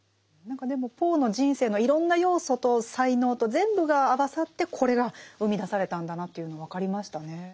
何かでもポーの人生のいろんな要素と才能と全部が合わさってこれが生み出されたんだなというの分かりましたね。